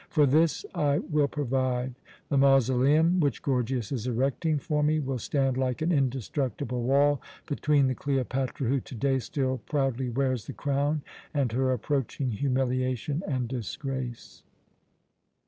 For this I will provide: the mausoleum which Gorgias is erecting for me will stand like an indestructible wall between the Cleopatra who to day still proudly wears the crown and her approaching humiliation and disgrace.